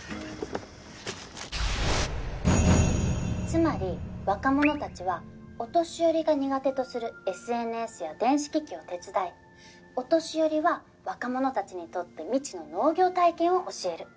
つまり若者たちはお年寄りが苦手とするＳＮＳや電子機器を手伝いお年寄りは若者たちにとって未知の農業体験を教える。